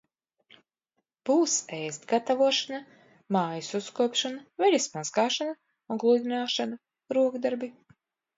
Būs ēst gatavošana, mājas uzkopšana, veļas mazgāšana un gludināšana, rokdarbi.